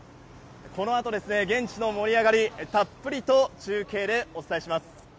このあと現地の盛り上がり、たっぷりと中継でお伝えします。